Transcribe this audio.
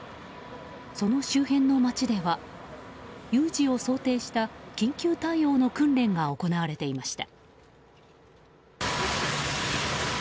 その周辺の街では有事を想定した緊急対応の訓練が行われていました。